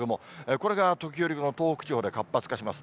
これが時折、東北地方に活発化します。